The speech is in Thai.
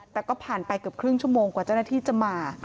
แต่ก็ผ่านไปเกือบครึ่งชั่วโมงกว่าเจ้าหน้าที่จะมา